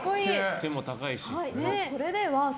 背も高いし。